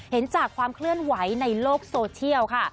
เห็นจากความเคลื่อนไหวในโลกโซเชียลค่ะ